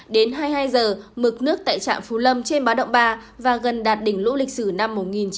đến hai mươi hai h mực nước tại trạm phú lâm trên báo động ba và gần đạt đỉnh lũ lịch sử năm một nghìn chín trăm bảy mươi